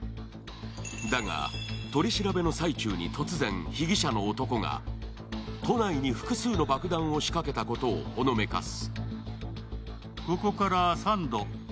だが、取り調べの最中に突然、被疑者の男が都内に複数の爆弾を仕掛けたことをほのめかす。